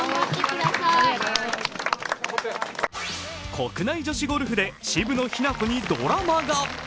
国内女子ゴルフで渋野日向子にドラマが。